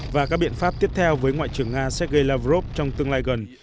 và các biện pháp tiếp theo với ngoại trưởng nga sergei lavrov trong tương lai gần